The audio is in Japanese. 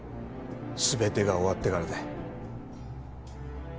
全てが終わってからで。